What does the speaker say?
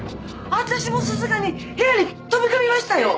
私もさすがに部屋に飛び込みましたよ。